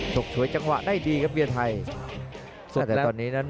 ส่งกับจังหวะได้ดีครับเบียไทย